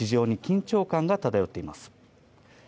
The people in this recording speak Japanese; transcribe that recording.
市場に緊張感が漂っています。